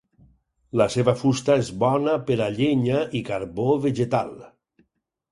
La seva fusta és bona per a llenya i carbó vegetal.